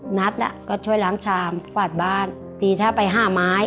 หนักก็ช่วยล้างชามฝาดบ้านเดี๋ยวไปห้าไม้